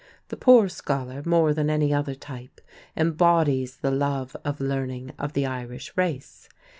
The poor scholar more than any other type embodies the love of learning of the Irish race.